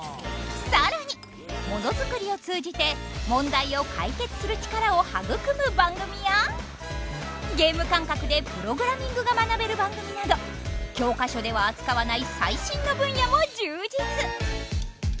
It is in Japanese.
更にものづくりを通じて問題を解決する力を育む番組やゲーム感覚でプログラミングが学べる番組など教科書では扱わない最新の分野も充実！